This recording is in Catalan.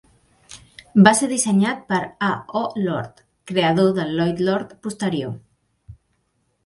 Va ser dissenyat per A.O. Lord, creador del Loyd-Lord posterior.